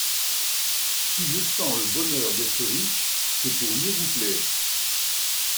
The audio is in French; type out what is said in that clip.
Si je sens le bonheur d'être riche, c'est pour mieux vous plaire.